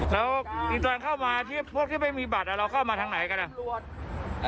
แล้วอีกตอนเข้ามาที่พวกที่ไม่มีบัตรเราเข้ามาทางไหนกันอ่ะ